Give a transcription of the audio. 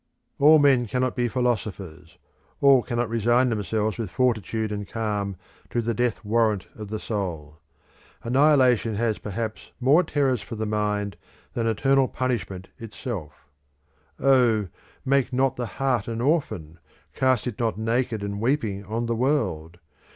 "All men cannot be philosophers; all cannot resign themselves with fortitude and calm to the death warrant of the soul. Annihilation has perhaps more terrors for the mind than eternal punishment itself. O, make not the heart an orphan, cast it not naked and weeping on the world!